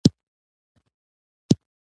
د مایع، جامد او ګاز موادو نومونه ولیکئ.